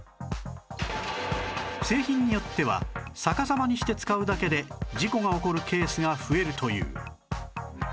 製品によっては逆さまにして使うだけで事故が起こるケースが増えるという